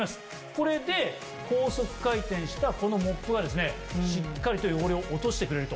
これで高速回転したこのモップがですねしっかりと汚れを落としてくれると。